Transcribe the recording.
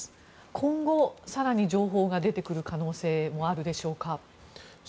今後、更に情報が出てくる可能性もあるでしょうか？